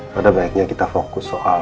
pada baiknya kita fokus soal